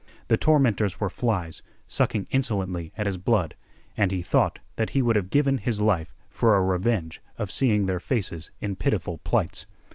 The tormentors were flies sucking insolently at his blood, and he thought that he would have given his life for a revenge of seeing their faces in pitiful plights.